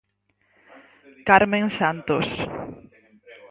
Carmen Santos.